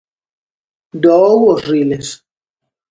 Doou os riles.